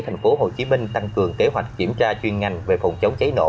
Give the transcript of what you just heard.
tp hcm tăng cường kế hoạch kiểm tra chuyên ngành về phòng chống cháy nổ